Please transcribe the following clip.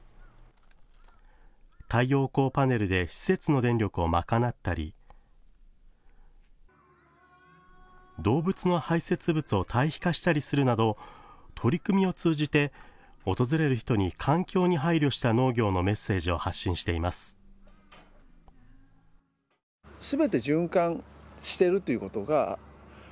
太陽光パネルで施設の電力を賄ったり、動物の排せつ物を堆肥化したりするなど取り組みを通じて、訪れる人に環境に配慮した農業のメッセージを発信しています。